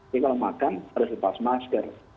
jadi kalau makan harus lepas masker